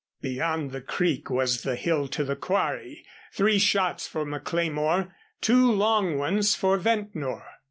Beyond the creek was the hill to the quarry, three shots for McLemore, two long ones for Ventnor.